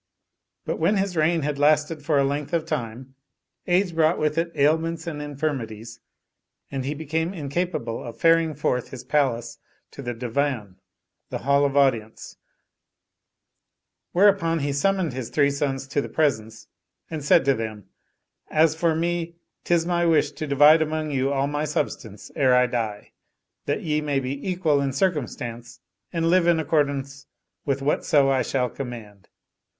But when his reign had lasted for a length of time, Age brought with it ailments and infirmities and he became incapable of faring forth his Palace to the Divan, the hall of audience ; where upon he summoned his three sons to the presence and said to them, " As for me, 'tis my wish to divide among you all my substance ere I die, that ye may be equal in circumstance and live in accordance with whatso I shall command."